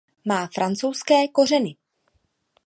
Má francouzské kořeny.